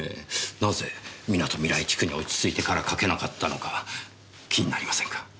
なぜみなとみらい地区に落ち着いてからかけなかったのか気になりませんか？